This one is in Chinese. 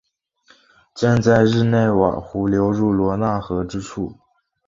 建在日内瓦湖流入罗讷河之处。